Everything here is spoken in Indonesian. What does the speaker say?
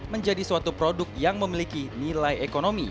menjadi suatu produk yang memiliki nilai ekonomi